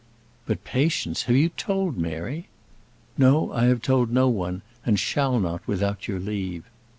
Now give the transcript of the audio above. "But, Patience, have you told Mary?" "No, I have told no one, and shall not without your leave."